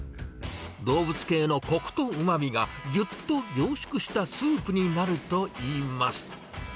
動物系のこくとうまみがぎゅっと凝縮したスープになるといいます。